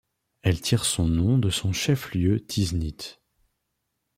Elle tire son nom de son chef-lieu, Tiznit.